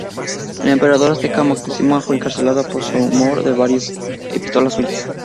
El emperador azteca Moctezuma fue encarcelado por mor de varias epístolas suyas.